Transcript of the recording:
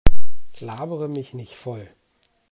Labere mich nicht voll!